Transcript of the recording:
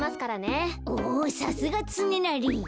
おさすがつねなり。